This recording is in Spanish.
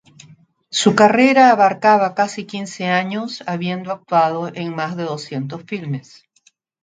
Su carrera abarcaba casi quince años, habiendo actuado en más de doscientos filmes.